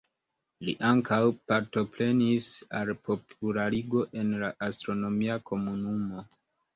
Li ankaŭ partoprenis al popularigo en la astronomia komunumo.